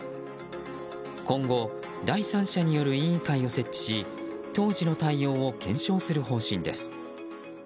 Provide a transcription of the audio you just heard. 今後、第三者による委員会を設置し当時の対応を検証する方針です。